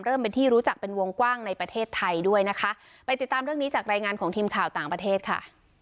เป็นที่รู้จักเป็นวงกว้างในประเทศไทยด้วยนะคะไปติดตามเรื่องนี้จากรายงานของทีมข่าวต่างประเทศค่ะ